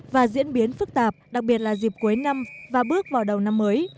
và diễn biến phức tạp đặc biệt là dịp cuối năm và bước vào đầu năm mới